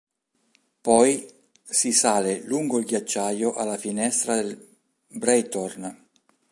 Poi si sale lungo il ghiacciaio alla "Finestra del Breithorn".